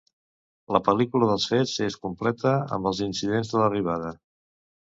La pel·lícula dels fets es completa amb els incidents de l'arribada.